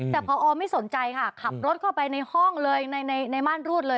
แต่พอไม่สนใจค่ะขับรถเข้าไปในห้องเลยในม่านรูดเลย